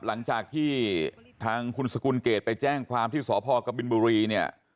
หลังจากที่ทางคุณสกุลเกตไปแจ้งความที่สพกบินบุรีเนี่ย